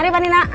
mari pak nina